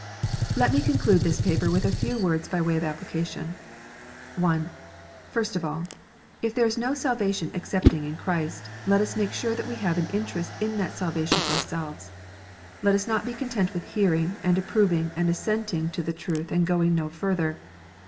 Let me conclude this paper with a few words by way of appli cation. (1) First of all, if there is no salvation excepting in Christ, let us make sure that we have an interest in that salvation our selves. Let us not be content with hearing, and approving, and assenting to the truth, and going no further.